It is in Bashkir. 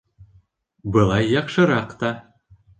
Былай яҡшыраҡ та.